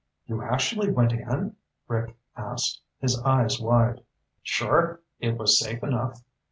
"You actually went in?" Rick asked, his eyes wide. "Sure. It was safe enough.